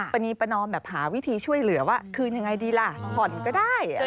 ประนีประนอมแบบหาวิธีช่วยเหลือว่าคืนยังไงดีล่ะผ่อนก็ได้